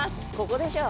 ここでしょ